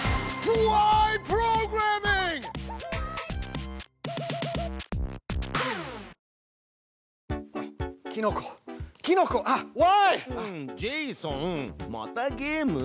うんジェイソンまたゲーム？